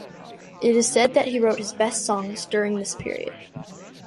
It is said that he wrote his best songs during this period.